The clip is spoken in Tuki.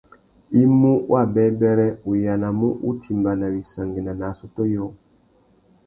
I mú wabêbêrê, u yānamú utimba nà wissangüena nà assôtô yôō.